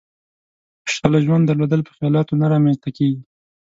خوشحاله ژوند درلودل په خيالاتو نه رامېنځ ته کېږي.